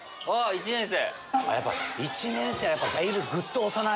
１年生。